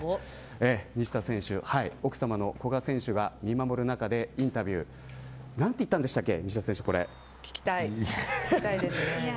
西田選手、奥さまの古賀選手が見守る中でインタビューで何と言ったんでしたっけ。